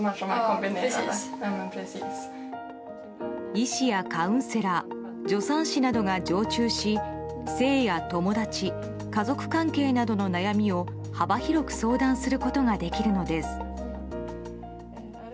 医師やカウンセラー助産師などが常駐し１３歳から２４歳までの人が性や友達、家族関係などの悩みを幅広く相談することができるのです。